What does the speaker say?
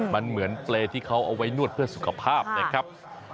มันเหมือนเปรย์ที่เขาเอาไว้นวดเพื่อสุขภาพนะครับ